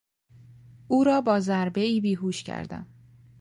او را با ضربهای بیهوش کردم.